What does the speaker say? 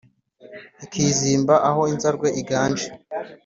Ikizimba aho inzarwe iganje